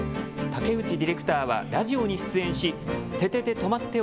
竹内ディレクターはラジオに出演しててて！